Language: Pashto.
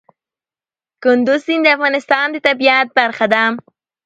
کندز سیند د افغانستان د طبیعت برخه ده.